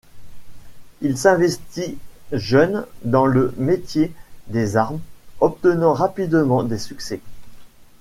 Il s'investit jeune dans le métier des armes, obtenant rapidement des succès.